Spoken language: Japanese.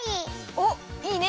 おっいいね！